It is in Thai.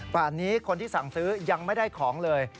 ป่านนี้คนที่สั่งซื้อยังไม่ได้ของเลย